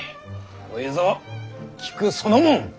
こいぞ菊そのもん！